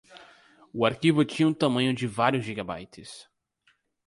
O arquivo tinha um tamanho de vários gigabytes.